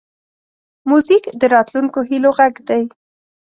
موزیک د راتلونکو هیلو غږ دی.